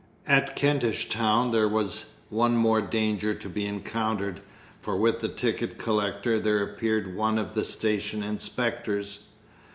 At Kentish Town there was one more danger to be encountered, for with the ticket collector there appeared one of the station inspectors.